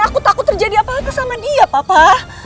aku takut terjadi apa apa sama dia papa